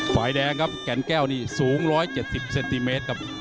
ฝ่ายแดงครับแก่นแก้วนี่สูง๑๗๐เซนติเมตรครับ